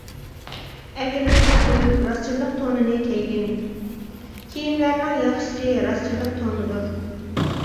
ئەگرىلىكنى قويۇپ، راستچىللىق تونىنى كىيگىن، كىيىملەرنىڭ ياخشىسى راستچىللىق تونىدۇر.